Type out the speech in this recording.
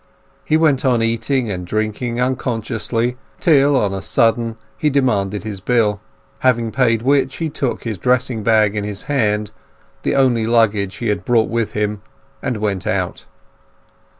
He went on eating and drinking unconsciously till on a sudden he demanded his bill; having paid which, he took his dressing bag in his hand, the only luggage he had brought with him, and went out.